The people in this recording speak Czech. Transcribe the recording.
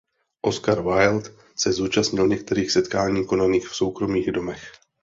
Oscar Wilde se zúčastnil některých setkání konaných v soukromých domech.